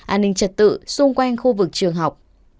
an ninh trật tự xung quanh khu vực trường học